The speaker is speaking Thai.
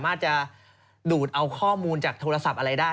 ไม่ได้อยู่แล้วครับ